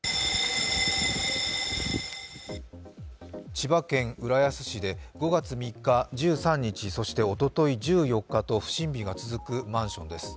千葉県浦安市で５月３日、１３日そしておととい１４日と不審火が続くマンションです。